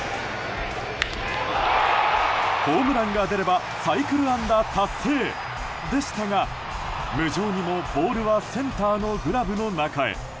ホームランが出ればサイクル安打達成でしたが無情にもボールはセンターのグラブの中へ。